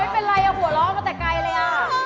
เป็นไรหัวร้องมาแต่ไกลเลย